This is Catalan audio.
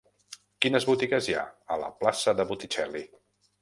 Quines botigues hi ha a la plaça de Botticelli?